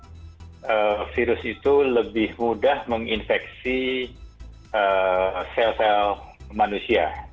karena virus itu lebih mudah menginfeksi sel sel manusia